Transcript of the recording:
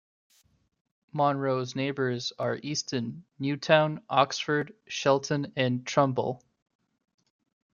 Monroe's neighbors are Easton, Newtown, Oxford, Shelton, and Trumbull.